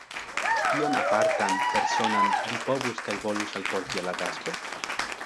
Kion apartan, personan, vi povus kaj volus alporti al la tasko?